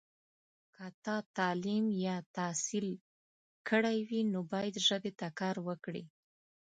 که تا تعلیم یا تحصیل کړی وي، نو باید ژبې ته کار وکړې.